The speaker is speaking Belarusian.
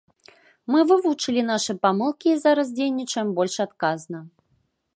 Мы вывучылі нашы памылкі і зараз дзейнічаем больш адказна.